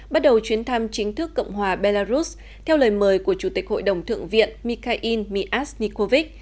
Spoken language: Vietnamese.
bắt đầu chuyến thăm chính thức cộng hòa belarus theo lời mời của chủ tịch hội đồng thượng viện mikhail mias nicovich